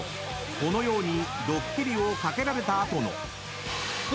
［このようにドッキリをかけられた後の］